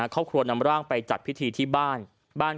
ครอบครัวนำร่างไปจัดพิธีที่บ้าน